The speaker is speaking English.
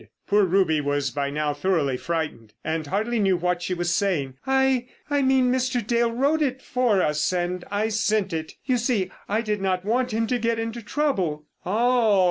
Poor Ruby was by now thoroughly frightened, and hardly knew what she was saying. "I—I mean Mr. Dale wrote it for us, and I sent it. You see, I did not want him to get into trouble!" "Oh!